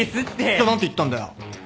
じゃあ何て言ったんだよ？